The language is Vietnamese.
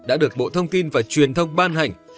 đã được bộ thông tin và truyền thông ban hành